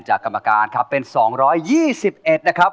จากกรรมการเป็น๒๒๑นะครับผม